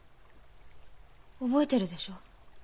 覚えてるでしょ？